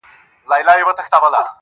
یو د بل په وینو سره به کړي لاسونه؛